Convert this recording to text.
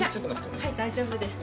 はい大丈夫です。